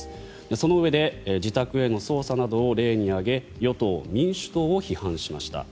そのうえで自宅への捜査などを例に挙げ与党・民主党を批判しました。